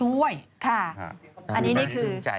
ยังไม่ได้ถึงใจ